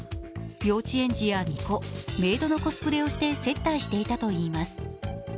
幼稚園児や巫女、メイドのコスプレをして接待していたといいます。